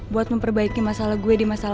buat memperbaiki masalah gue di masa lalu